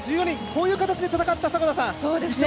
こういう形で戦った１勝です。